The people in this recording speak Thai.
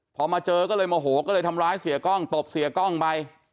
พอมาเจอก็เลยโมโหก็เลยทำร้ายเสียกล้องตบเสียกล้องไป